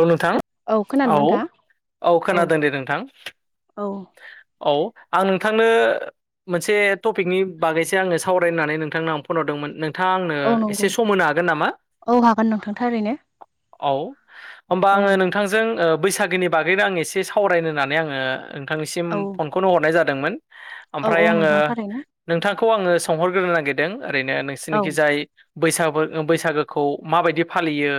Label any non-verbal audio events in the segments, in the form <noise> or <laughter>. औ नोंथां खोनादों औ नोंथाङा औ खोनादों दे नोंथां। औ औ आं नोंथांनो। मोनसे टपिकनि बागैसो आङो सावरायनो होननानै नोंथांनाव आं फन हरदोंमोन नों नोंथाङा आंनो औ नंगौ एसे सम होनो हागोन? नामा <inaudible> औ हागोन नोंथां थारैनो औ। होमबा औ आङो नोंथांजों बैसागोनि बागैनो आं एसे सावरायनो होननानै आङो नोंथांनिसिम औ फनखौनो हरनाय जादोंमोन औ ओमफ्राय औ आङो नोंथां थारैनो नोंथांखौ आङो सोंहरग्रोनो नागिरदों ओरैनो औ नोंसिरनिखि जाय बैसाग बैसागोखौ माबायदि फालियो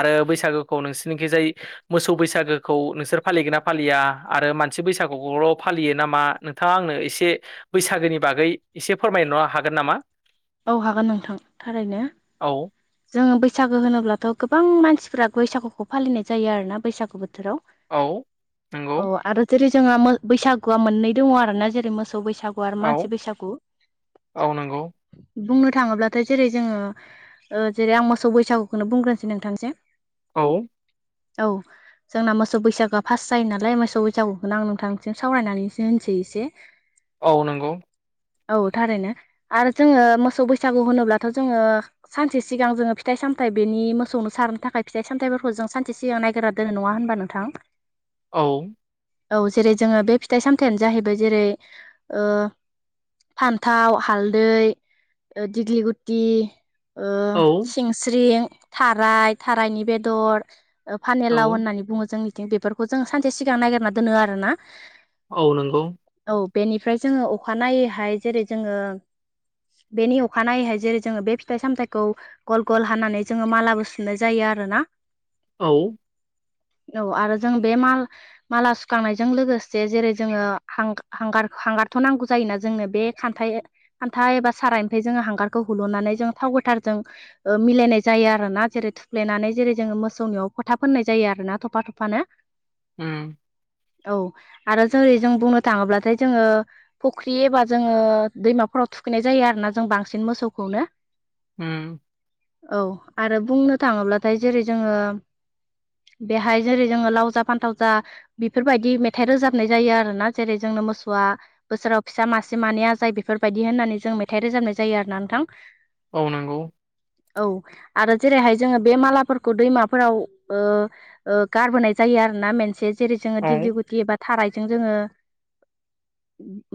आरो बैसागोखौ नोंसिरनिखि जाय मोसौ बैसागोखौ नोंसोर फालिगोन ना फालिया आरो मानसि बैसागुखौल' फालियो नामा? नोंथाङा आंनो एसे बैसागोनि बागै एसे फोरमायनो हागोन नामा? औ हागोन नोंथां थारैनो। औ <inaudible> जोङो बैसागो होनोब्लाथ' गोबां मानसिफोरा बैसागुखौ फालिनाय जायो आरो ना बैसागु बोथोराव। औ नंगौ <inaudible> अ आरो जेरै जोंहा बैसागुआ मोननै दङ आरोना जेरै मोसौ बैसागु। औ मानसि बैसागु। औ नंगौ। बुंनो थाङोब्लाथाय जेरै जोङो ओ जेरै आं मोसौ बैसागुखौनो बुंग्रोसै नोंथांसिम। औ। औ। जोंना मोसौ बैसागोआ फास जायो नालाय मोसौ बैसागुखौनो आं नोंथांसिम सावरायनानै होनोसै एसे। <inaudible> औ नंगौ। औ थारैनो। आरो जोङो मोसौ बैसागु होनोब्लाथ' जोङो सानसे सिगां जोङो फिथाइ सामथाइ बेनि मोसौनो सारनो थाखाय फिथाइ सामथाइफोरखौ जों सानसे सि सिगां नायग्रा दोङो नङा होनबा नोंथां। औ औ जेरै जोङो बे फिथाइ सामथायानो जाहैबाय जेरै ओ फान्थाव हालदै दिग्लि गुटि ओ औ सिंस्रिं थाराय थारायनि बेदर औ फानलाव होननानै बुङो जोंनि बेफोरखौ जों सानसे सिगां ननायागिरना दोनो आरोना। औ नोंगौ। औ बेनिफ्राय जोङो अखानायनायैहाय जेरै जोङो बेनि अखानायैहाय जेरै जोङो बे फिथाइ सामथाइखौ गल गल हानानै जोङो मालाबो सुनाय जायो आरोना। औ। <inaudible> औ आरो जों बे माल माला सुखांनायजों लोगोसे जेरै जोङो हांगा-हांगार- हांगारथ' नांगौ जायोना जोंनो बे खान्थाइ हाथाय एबा सारायनिफ्राय जोङो हांगारखौ हुल'नानै जोङो थाव गोथारजों ओ मिलायनाय जायो आरो ना जेरै थुफ्लेनानै जेरै जोङो मोसौनियाव फोथा फोननाय जायो आरो ना थफा थफानो। उम औ आरो जेरै जों बुंनो थाङोब्लाथाय जोङो फुख्रि एबा जोङो दैमाफोराव थुखैनाय जायो आरो ना जों बांसिन मोसौखौनो। उम औ आरो बुंनो थाङोब्लाथाय जेरै जोङो बेहाय जेरै जोङो लावजा फान्थाव जा बेफोरबायदि मेथाइ रोजाबनाय जायो आरोना जेरै जोंनो मोसौआ बोसोराव फिसा मासे मानै जाय बेफोरबायदि होननानै। जों मेथाइ रोजाबनाय जायो आरोना नोंथां। औ नंगौ औ आरो जेरैहाय जोङो बे मालाफोरखौ दैमाफोराव ओ ओ गारबोनाय जायो आरो ना मोनसे जेरै जोङो औ दिग्लि गुदि बा थारायजों जोङो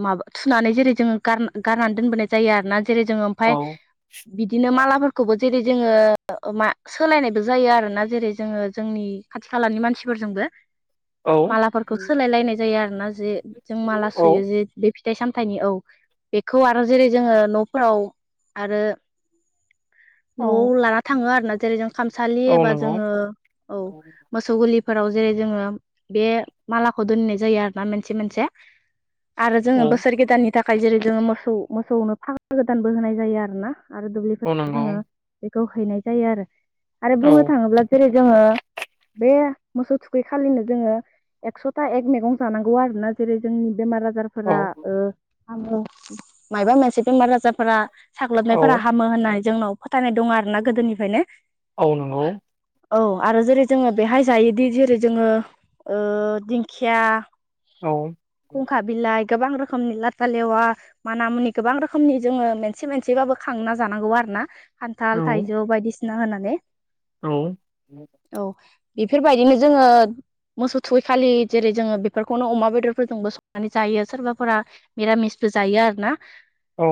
माबा थुनानै जेरै जोङो गार गारनानै दोनबोनाय जायो आरोना जेरै जोङो ओमफ्राय औ बिदिनो मालाफोरखौबो जेरै जोङो मा सोलायनायबो जायो आरोना जेरै जोङो जोंनि खाथि खालानि मानसिफोरजोंबो। औ मालाफोरखौ सोलाय लायनाय जायो आरो ना जे, जों माला औ सुयो जे बे फिथाइ सामथायाइनि औ खौ आरो जेरै जोंङो न'फ्राव आरो न'आव औ लाना थांङो आरो ना जेरै जों खामसालि औ एबा नंगौ जोंङो औ मोसौ गलिफोराव जेरै जोंङो बे मालाखौ दोननाय जायो आरो ना मोनसे मोनसे। आरो जोंङो औ बोसोर गोदाननि थाखाय जेरै जोंङो मोसौ मोसौनो फाग गोदानबो होनाय जायो आरो ना। आरो औ दुब्लिफोर नंगौ जोंङो बेखौ हैनाय जायो आरो आरो बुंनो औ थांङोब्ला जेरै जोंङो बे मोसौ थुखै खालिनो जोंङो एकस'था एक मैगं जानांगौ आरो ना जेरै जोंनि बेमार आजार फोरा औ ओ हामो माइबा मोनसे बेमार आजारफोरा साग्लोबनायफोरा औ हाम हामो होननानै जोंनाव फोथायनाय दं आरो ना गोदोनिफ्रायनो। औ नंगौ औ आरो जेरै जोंङो बेहाय जायोदि जेरै जोंङो ओ दिंखिया औ खुंखा बिलाइ गोबां रोखोमनि लाथा लेवा माना मुनि गोबां रोखोमनि जोंङो मोनसे मोनसेबाबो खांना जानांगौ आरो ना। औ खान्थाल थाइजौ बायदिसिना होनानै औ औ बेफोरबायदिनो जोंङो मोसौ थुवैखालि जेरै जोंङो बेफोरखौनो अमा बेदर फोरजोंबो संनानै जायो सोरबाफोरा मिरामिसबो जायो आरो ना। औ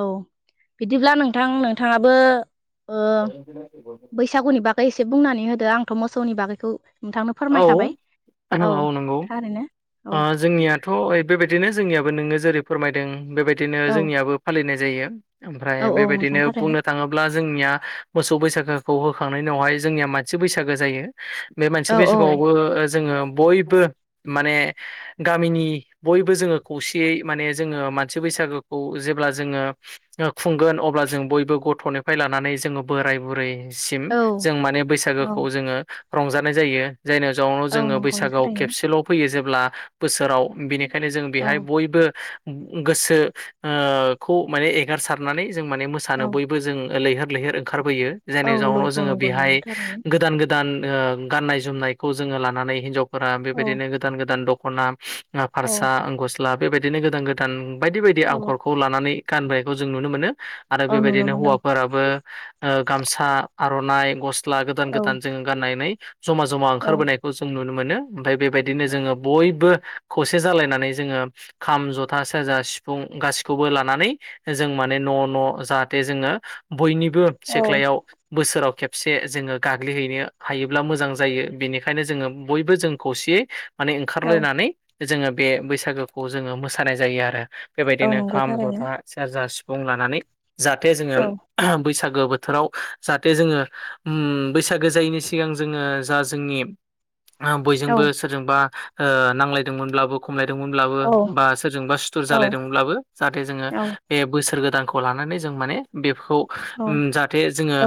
औ बिदिब्ला नोंथां नोंथांङाबो बैसागुनि बागै एसे बुंनानै होदो आंथ' मोसौनि बागैखौ नोंथांनो फोरमायखाबाय औ थारैनो। औ जोंनियाथ' बेबायदिनो जोंनियाबो नोंङो जेरै फोरमायदों बेबायदिनो औ जोंनियाबो फालिनाय जायो ओमफ्राय औ औ नोंथां बेबायदिनो थारैनो बुंनो थांङोब्ला ब्ला जोंनिया मोसौ बैसागोखौ होखांनायनि उनावहाय जोंनि मानसि बैसागोआ जायो बे मान बै औ औ सिगाङावबो जोंङो बयबो माने गामिनि बयबो जोंङो खौसेयै माने जोंङो मानसि बैसागोखौ जेब्ला जोंङो खुंगोन अब्ला जों बयबो गथ'निफ्राय लानानै जोंङो बोराय बुरै सिम औ जों माने औ बैसागोखौ जोंङो रंजानाय जायो। जायनि जाउनाव औ जोंङो नंगौ बैसागोआव थारैनो खेबसेल' फैयो जेब्ला बोसोराव बिनि बेखायनो जों बेहाय औ बयबो गोसो ओ खौ माने एगारसारनानै जों माने मोसानो औ बयबो बो जों लैहोर लैहोर ओंखार बोयो औ जेनो जाउनाव नंगौ जोंङो नंगौ बेहाय नंगौ थारैनो गोदान गोदान गोदान गाननाय जोमनायखौ जोंङो लानानै हिनजावफोरा औ बेबायदिनो गोदान गोदान दख'ना औ फारसा गस्ला बेबायदिनो गोदान गोदान बायदि बायदि औ आग'रखौ लानानै गानबोनायखौ जों नुनो मोनो आरो औ नुनो बेबायदिनो मोनदों हौवाफोराबो गामसा आर'नाइ गस्ला गोदान औ गोदान जोंङो गाननानै जमा जमा औ ओंखारबोनायखौ खौ जों नुनो मोनो ओमफ्राय बेबायदिनो जोंङो बयबो खौसे जालायनानै जोंङो खाम जथा सेरजा सिफुं गाैसिखौबो लानानै जों माने न' न' जाहाथे जोंङो बयनिबो औ सिख्लायाव बोसोराव खेबसे जोंङो गाग्लिहैनो हायोब्ला मोजां जायो बेनिखायनो जोंङो बयबो जों खौसेयै माने औ ओंखारलायनानै जोंङो बे बैसागोखौ जोंङो मोसानाय जायो आरो औ बेबायदिनो नंगौ खाम थारैनो जथा सेरजा सिफुं लानानै जाहाथे जोंङो औ बैसागो बोथोराव जाहाथे जोंङो बैसागो जायैनि सिगां जोंङो जा जोंनि औ बयजोंबो सोरजोंबा नांलायदोंमोनब्लाबो खमलायदोंमोनब्लाबो औ बा सोरजोंबा सुथुर औ जालायदोंमोनब्लाबो जाहाथे जोंङो औ बे बोसोर गोदानखौ लानानै जों माने बेखौ। औ जाहाथे जोङो औ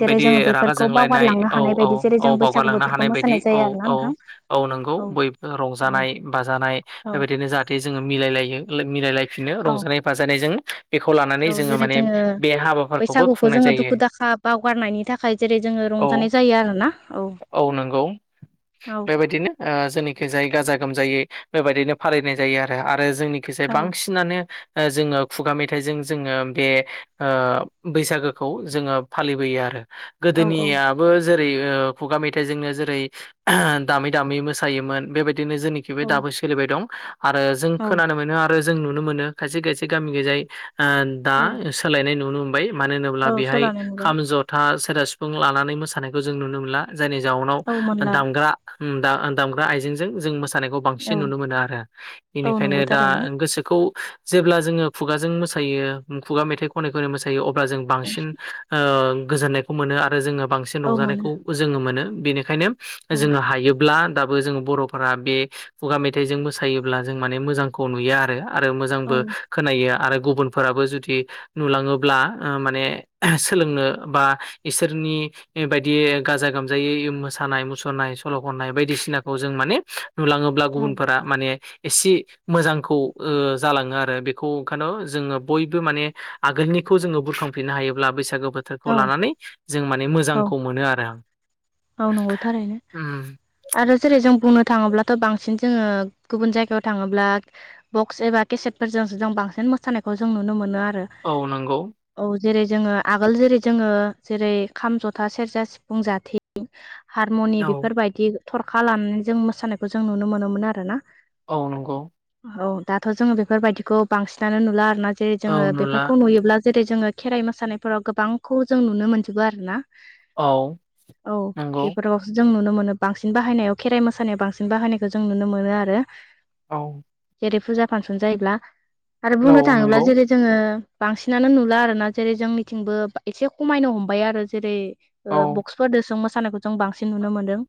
जेरै जोङो रागा बेफोरखौ जोंलायनाय बावगारलांनो औ हानाय औ बायदि जेरै जों औ बैसागु बावगारालांनो बोथोरखौ हानाय बायदि मोसानाय औ जायो आरोना औ नोंथां औ नंगौ बयबो औ रंजानाय बाजानाय औ बेबायदिनो जायो जाहाथे जोङो मिलायलायो मिलायलायफिनो औ रंजानाय बाजानायजों बेखौ लानानै औ जेरै माने जोङो बे हाबाफोरखौबो बैसागुखौ खुंनाय जोङो जायो दुखु दाखा बावगारनायनि थाखाय जेरै जोङो औ रंजानाय जायो आरो ना औ औ नंगौ औ बेबायदिनो जोंनिखिजाय गाजा गोमजायै बेबायदिनो फालिनाय जायो आरो जोंनिखैजाय औ बांसिन नानो जोङो खुगा मेथाइजों जोङो बे बैसागोखौ जोङो फालिबोयो आरो औ औ गोदोनियाबो जेरै खुगा मेथाइ जोंनो जेरै दामै दामै मोसायोमोन बेबायदिनो जोंनिखैबो औ दाबो सोलिबाय दं आरो जों औ खोनानो मोनो आरो जों नुनो मोनो खायसे खायसे गामि गैजाय दा औ सोलायनाय नुनो मोनबाय मानो होनोब्ला औ बेहाय सलानो नुबाय खाम जथा सेरजा सिफुं लानानै मोसानायखौ नुनो मोनला जायनि जाउनाव औ मोनला दामग्रा दामग्रा आइजेंजों जों मोसा खौ औ बांसिन नुनो मोनो आरो औ बेनिखायनो नंगौ दा थारैनो गोसोखौ जेब्ला जोङो खुगाजों मोसायो खुगा मेथाइखौ खनै खनै मोसायो अब्ला जों बांसिन गोजोन्नायखौ मोनो आरो जोङो बांसिन औ रंजानायखौ मोनो जोङो मोनो बेनिखायनो औ जोङो हायोब्ला दा जो बर'फोरा बे खुगा मेथाइजों मोसायोब्ला जों माने मोजांखौ नुयो आरो आरो औ मोजांबो खोनायो आरो गुबुनफोराबो जुदि नुलाङोब्ला माने सोलोंनो बा इसोरनि बायदि बिदि गाजा गोमजायै मोसानाय मुसुरनाय सल' खननाय बायदिसिनाखौ जों माने नुलाङोब्ला औ गुबुनफोरा माने एसे मोजांखौ जालाङो आरो बेखौ ओंखायनो जोङो बयबो माने आगोलनिखौ जोङो बोखांफिननो हायोब्ला बैसागो बोथोर खौ औ लानानै जों माने औ मोजांखौ मोनो आरो औ नंगौ थारैनो। उम आरो जेरै जों बुंनो थाङोब्लाथ' बांसिन जोङो गुबुन जायगायाव थाङोब्ला बक्स एबा केसेटफोरजों जों बांसिन मोसानायखौ जों नुनो मोनो आरो। औ नंगौ। औ जेरै जोङो आगोल जेरै जोङो जेरै खाम जथा सेरजा सिफुं जाथि हारमनि औ बेफोरबायदि थरखा लानानै जों मोसानायखौ जों नुनो मोनोमोन आरो ना। औ नंगौ। औ दाथ' जोङो बेफोरबायदिखौ बांसिनानो नुला आरोना जे औ जोङो नुला बेफोरखौ नुयोब्ला जेरै जोङो खेराइ मोसानायफोराव गोबांखौ जों नुनो मोनजोबो आरो ना। औ। औ नंगौ बेफोराव जों नुनो मोनो बांसिन बाहायनायाव खेराइ मोसानायाव बांसिन बाहायनायखौ जों नुनो मोनो आरो। औ। जेरै फुजा फांसन जायोब्ला आरो बुंनो औ थाङोब्ला नंगौ जेरै जोङो बांसिनानो नुला आरोना जेरै जोंनिथिंबो एसे खमायनो हमबाय आरो जेरै औ ओ बक्सफोरदोसों मोसानायखौ जों बांसिन नुनो मोन्दों।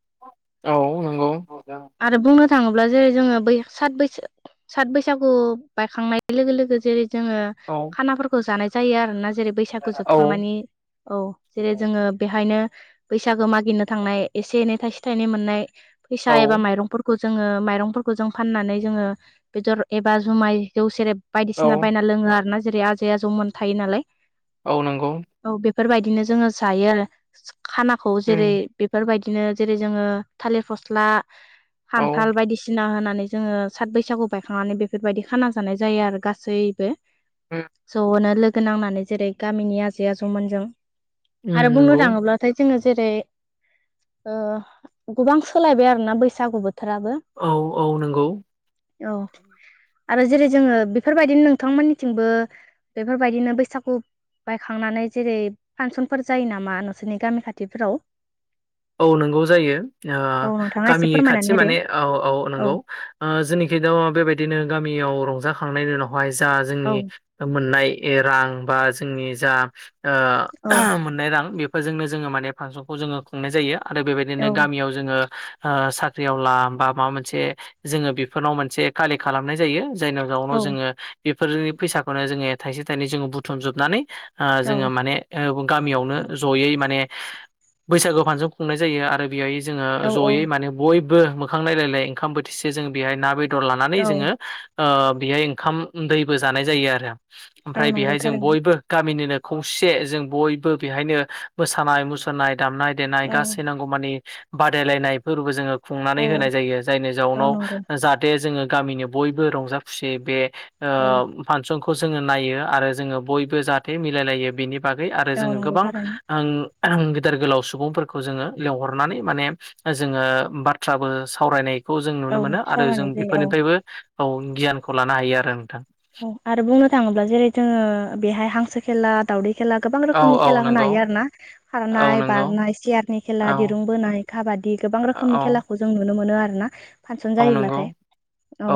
औ नंगौ। औ आरो बुंनो थाङोब्ला जेरै जोङो बै साथ बैसो सात बैसागु बायखांनाय लोगो लोगो जेरै जोङो औ। खानाफोरखौ जानाय जायो आरोना जेरै बैसागु जोबखांनानै औ जेरै जोङो बेहायनो बैसागो मागिनो थांनाय एसे एनै थाइसे थाइनै मोननाय फैसा औ एबा माइरंफोरखौ जोङो माइरंफोरखौ जों फाननानै जोङो बेदर एबा जुमाय जौ सेरेब औ बायदिसिना बायना लोङो आरो ना जेरै आजै आजौमोन थायो नालाय। औ नंगौ। औ बेफोरबायदिनो जोङो जायो आरो खानाखौ उम जेरै बेफोरबायदिनो जेरै जोङो थालिर फस्ला औ खान्थाल बायदिसिना होनानै जोङो सात बैसागु बायखांनानै बेफोरबायदि खाना जानाय जायो आरो गासैबो उम ज'नो लोगो गो नांनानै जेरै गामिनि आजै आजौमोनजों उम, आरो बुंनो नंगौ थाङोब्ला फ्राय जोङो जेरै गोबां सोलायबाय आरोना बैसागु बोथोराबो। औ औ नंगौ। औ आरो जेरै जोङो बेफोरबायदिनो नोंथांमोननिथिंबो बेफोरबायदिनो बैसागु बायखांनानै जेरै फांसनफोर जायो नामा? बिसिनि गामि खाथिफोराव? औ नंगौ जायो औ नोंथाङा एसे गामिनि फोरमायनानै खाथि होदो माने औ औ नंगौ। ओ जोंनिखि थ' बेबायदिनो गामियाव रंजाखांनायनि उनावहाय जा जोंनि औ मोननाय ए रां बा जोंनि जा औ मोननाय ओ रां बे बेजोंनो जोङो माने फांसनखौ जोङो खुंनाय जायो आरो बेबायदिनो औ गामियाव जोङो ओ साख्रियाव ला बा माबा मोनसे जोङो बेफोरनाव मोनसे कालिक खालामनाय जायो। जायनाव जाउनाव औ जोङो बेफोरनि फैसाखौनो जोङो थाइसे थाइनै जोङो बुथुमजोबनानै ओ जोङो औ माने गामियावनो ज'यै माने बैसागो फांसन खुंनाय जायो आरो बेहाय जोङो औ ज'यै औ माने बयबो मोखां नायलायलाय ओंखाम बोथिसे जों बेहाय ना बेदर लानानै औ जोङो ओ बेहाय ओंखाम दैबो जानाय जायो आरो औ ओमफ्राय नंगौ बेहाय जों थारैनो बयबो। गामिनिनो खौसे जों बयबो बेहायनो मोसानाय मुसुरनाय दामनाय देनाय औ गासै नांगौ बादलायनाय फोरबो जोङो औ खुंनानै होनाय जायो जायनि औ जाउनाव नंगौ दे जोङो गामिनि बयबो रंजा खुसिय बे औ फांसनखौ जोङो नायो आरो जोङो बयबो जाहाथे मिलायलायो बेनि। बागै आरो औ जोङो नंगौ गोबां। थारैनो देर गोलाव सुबुंफोरखौ जोङो लिंहरनानै माने जोङो बाथ्राबो सावरायनाय खौ जों औ नुनो मोनो आरो जों सावरायनाय जायो औ बेफोरनिफ्रायबो औ गियानखौ लानो हायो आरो नोंथां। आरो बुंनो थाङोब्ला जेरै जोङो बेहाय हांसो खेला दावदै खेला गोबां औ रोखोमनि औ खेला होनो नंगौ हायो आरो ना। औ खारनाय नंगौ बारनाय सियारनि खेला औ दिरुं बोनाय काबादि गोबां रोखोमनि औ खेला खौ जों नुनो मोनो आरोना फांसन औ नंगौ जायोब्लाथाय औ।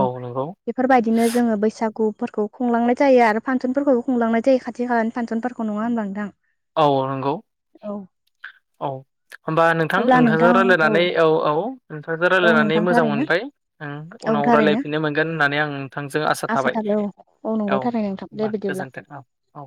बेफोर बायदिनो जोङो बैसागु। गुफोरखौ खुंलांनाय जायो आरो फांसनफोरखौबो खुंलांनाय जायो खाथि खालानि फांसनफोरखौ नङा होनबा नोंथां। औ नंगौ औ औ। होमबा नोंथां नोंथांजों रायज्लायनानै औ औ नोंथांजों औ रायज्लायनानै नोंथां मोजां थारैनो मोनबाय। औ उनाव थारैनो रायज्लायफिननो मोनगोन होननानै आं नोंथांजों आसा। थाबाय औ नंगौ औ थारैनो नोंथां दे होनबा बिदिब्ला गोजोन्थों औ। औ